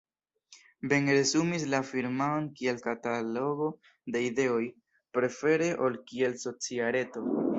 Ben resumis la firmaon kiel "katalogo de ideoj", prefere ol kiel socia reto.